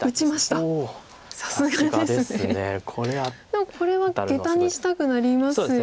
でもこれはゲタにしたくなりますよね。